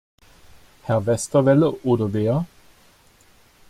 Herr Westerwelle oder wer?